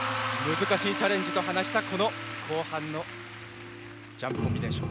難しいチャレンジと話したこの後半のジャンプコンビネーション。